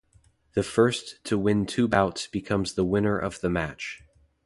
The first to win two bouts becomes the winner of the match.